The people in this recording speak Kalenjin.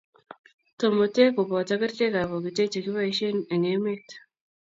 tomote ko boto kerchekab bokite che kiboisien eng' emet.